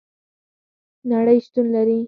نړۍ شتون لري